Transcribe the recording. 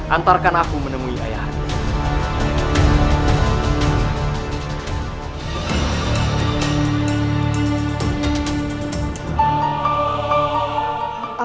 antarkan aku menemui ayahanda